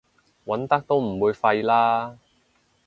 揾得都唔會廢啦